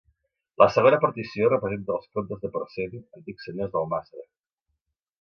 La segona partició representa als comtes de Parcent, antics senyors d'Almàssera.